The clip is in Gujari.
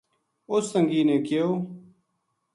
اُس سنگی نے کہیو